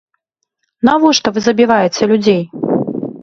Навошта вы забіваеце людзей?